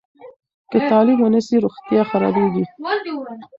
که تعلیم ونه سي، روغتیا خرابېږي.